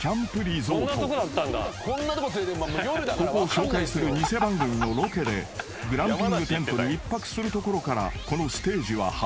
［ここを紹介するニセ番組のロケでグランピングテントに一泊するところからこのステージは始まる］